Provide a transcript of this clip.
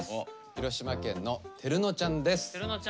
広島県のてるのちゃんです。